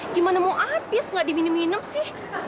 gimana mau habis gak diminum minum sih